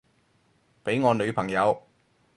畀我女朋友